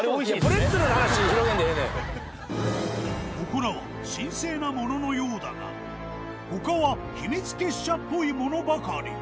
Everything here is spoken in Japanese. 祠は神聖なもののようだが他は秘密結社っぽいものばかり。